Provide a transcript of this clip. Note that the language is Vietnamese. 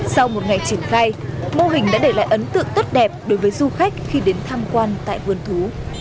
sau một ngày triển khai mô hình đã để lại ấn tượng tốt đẹp đối với du khách khi đến tham quan tại vườn thú